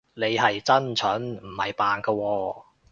你係真蠢，唔係扮㗎喎